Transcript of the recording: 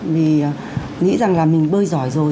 vì nghĩ rằng là mình bơi giỏi rồi